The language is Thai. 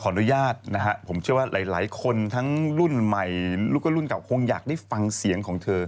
ขออนุญาตแบบว่าหลายคนทั้งรุ่นใหม่ของกับรุ่นเก่าคงอยากได้ฟังเสียงของเธอ